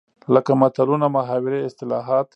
لکه متلونه، محاورې ،اصطلاحات